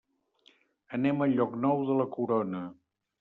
Anem a Llocnou de la Corona.